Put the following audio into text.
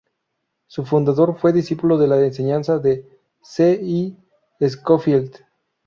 Su fundador fue discípulo de la enseñanza de C. I. Scofield.